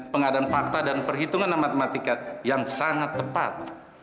pengadaan fakta dan perhitungan matematika yang sangat tepat